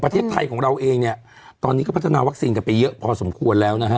ประเทศไทยของเราเองเนี่ยตอนนี้ก็พัฒนาวัคซีนกันไปเยอะพอสมควรแล้วนะฮะ